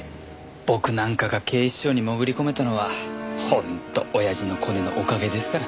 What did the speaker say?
僕なんかが警視庁に潜り込めたのは本当親父のコネのおかげですから。